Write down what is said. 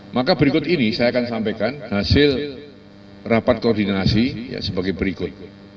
maka berikut ini saya akan sampaikan hasil rapat koordinasi sebagai berikut